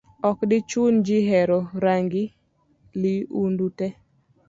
Ok dichun ji hero rangi liudute.